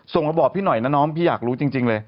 ส่งมาบอกพี่หน่อยนะน้องพี่อยากรู้จริงเลย